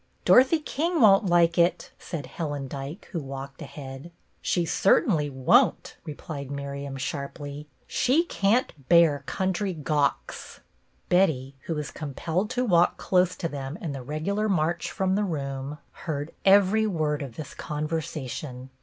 " Dorothy King won't like it," said Helen Dyke, who walked ahead. "She certainly won't" replied Miriam, sharply. " She can't bear country gawks." Betty, who was compelled to walk close to them in the regular march from the room, 6o BETTY BAIRD heard every word of this conversation.